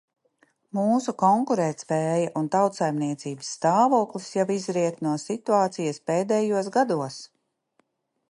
Mūsu konkurētspēja un tautsaimniecības stāvoklis jau izriet no situācijas pēdējos gados.